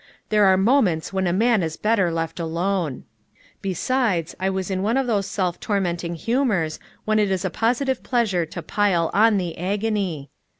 There are moments when a man is better left alone. Besides, I was in one of those self tormenting humors when it is a positive pleasure to pile on the agony.